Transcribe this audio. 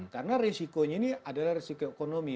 karena risikonya ini adalah risiko ekonomi